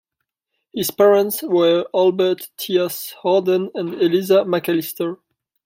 His parents were Albert Tyas Harden and Eliza Macalister.